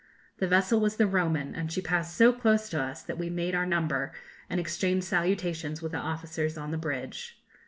The vessel was the 'Roman,' and she passed so close to us that we made our number, and exchanged salutations with the officers on the bridge.